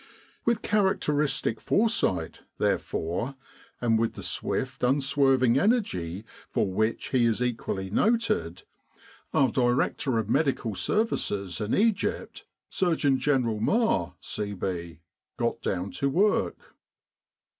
With characteristic foresight, therefore, and with the swift unswerving energy for which he is equally noted, our Director of Medical Services in Egypt, Surgeon General Maher, C.B., got down to work.